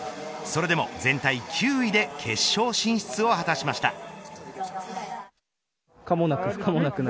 それでも全体９位で決勝進出を果たしました。